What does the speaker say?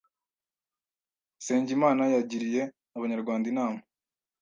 Nsengimana yagiriye Abanyarwanda inama